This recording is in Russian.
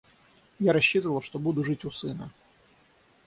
Я рассчитывал, что буду жить у сына.